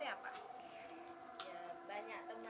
seneng gak ikut jfc